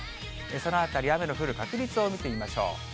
そのあたり、雨の降る確率を見てみましょう。